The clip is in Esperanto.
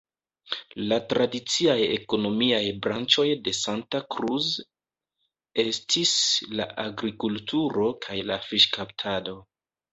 La tradiciaj ekonomiaj branĉoj de Santa Cruz estis la agrikulturo kaj la fiŝkaptado.